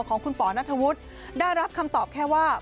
ของคุณป๋อนัทธวุฒิได้รับคำตอบแค่ว่า